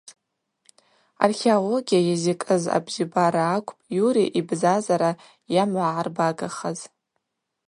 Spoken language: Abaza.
Археология йазикӏыз абзибара акӏвпӏ Юрий йбзазара йамгӏвагӏарбагахаз.